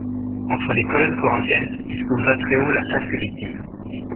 Entre les colonnes corinthiennes, il souleva très haut la flasque victime.